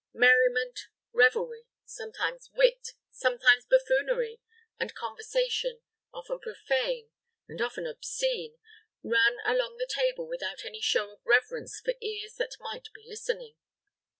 Merriment, revelry sometimes wit, sometimes buffoonery and conversation, often profane, and often obscene, ran along the table without any show of reverence for ears that might be listening.